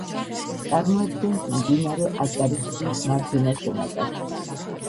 წარმოადგენს მდინარე აჭარისწყლის მარჯვენა შენაკადს.